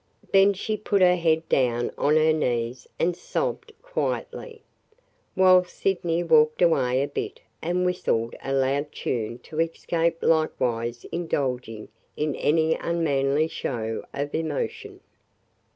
Then she put her head down on her knees and sobbed quietly, while Sydney walked away a bit and whistled a loud tune to escape likewise indulging in any unmanly show of emotion.